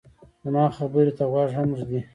زما خبرې ته غوږ هم ږدې